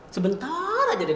sebentar aja den